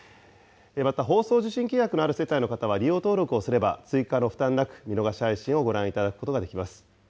また、放送受信契約のある世帯の方は、利用登録をすれば追加の負担なく見逃し配信をご覧いただくことができます。